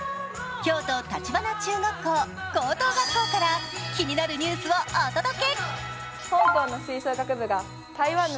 京都橘中学校・高等学校から気になるニュースをお届け！